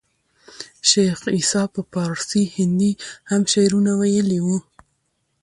شېخ عیسي په پاړسي هندي هم شعرونه ویلي وو.